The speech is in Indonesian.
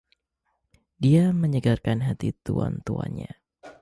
Dia menyegarkan hati tuan-tuannya.